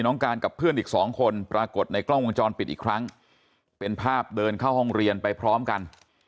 น้องการกับเพื่อนอีกสองคนปรากฏในกล้องวงจรปิดอีกครั้งเป็นภาพเดินเข้าห้องเรียนไปพร้อมกัน